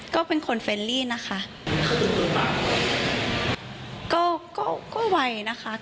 ก็เป็นคนเฟรนลี่นะคะ